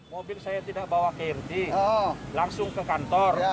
mobil saya tidak bawa ke rdi langsung ke kantor